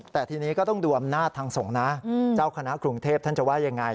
แต่ทีนี้ก็ต้องดูอำนาจทางสงฆ์นะเจ้าคณะกรุงเทพท่านจะว่ายังไง